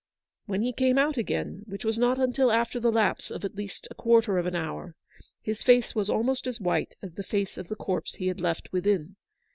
When he came out again, which was not until after the lapse of at least a quarter of an hour, his face was almost as white as the face of the corpse he had left within.